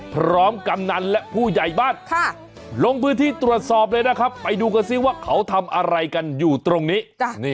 กำนันและผู้ใหญ่บ้านลงพื้นที่ตรวจสอบเลยนะครับไปดูกันซิว่าเขาทำอะไรกันอยู่ตรงนี้